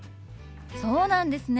そうなんですね。